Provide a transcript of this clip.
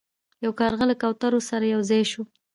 یو کارغه له کوترو سره یو ځای شو.